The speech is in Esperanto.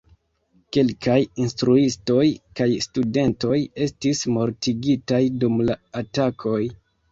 Kelkaj instruistoj kaj studentoj estis mortigitaj dum la atakoj.